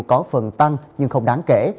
có phần tăng nhưng không đáng kể